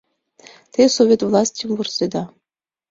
Те Совет властьым вурседа.